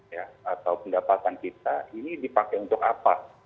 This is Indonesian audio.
ya atau pendapatan kita ini dipakai untuk apa